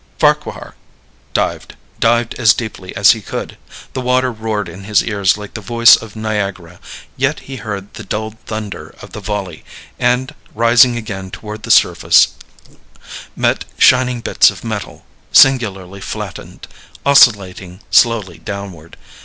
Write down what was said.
Farquhar dived dived as deeply as he could. The water roared in his ears like the voice of Niagara, yet he heard the dulled thunder of the volley, and, rising again toward the surface, met shining bits of metal, singularly flattened, oscillating slowly downward.